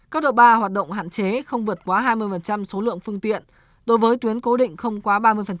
cấp độ ba hoạt động hạn chế không vượt quá hai mươi số lượng phương tiện đối với tuyến cố định không quá ba mươi